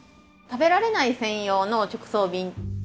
食べられない専用の直送便。